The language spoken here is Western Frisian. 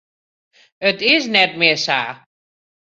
It is net mear sa.